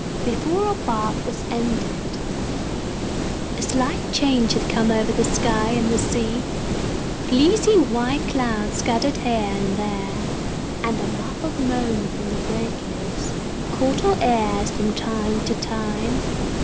Before our bath was ended a slight change had come over the sky and sea; fleecy white clouds scudded here and there, and a muffled moan from the breakers caught our ears from time to time.